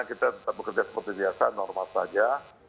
kita tetap bekerja seperti biasa normal saja